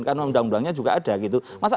karena undang undangnya juga ada gitu masa